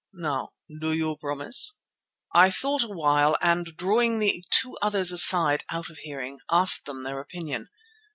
Now do you promise?" I thought a while and, drawing the two others aside out of hearing, asked them their opinion.